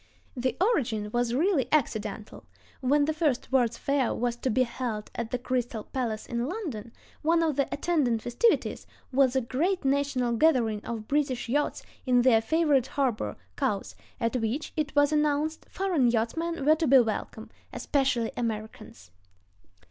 The origin was really accidental. When the first World's Fair was to be held at the Crystal Palace in London, one of the attendant festivities was a great national gathering of British yachts in their favorite harbor, Cowes, at which, it was announced, foreign yachtsmen were to be welcome, especially Americans.